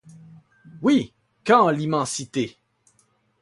Oui, quand l’immensité